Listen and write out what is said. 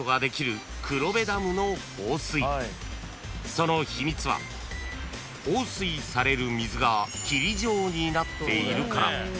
［その秘密は放水される水が霧状になっているから］